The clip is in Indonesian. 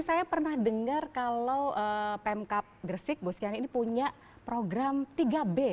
saya pernah dengar kalau pemkap gresik gus yani ini punya program tiga b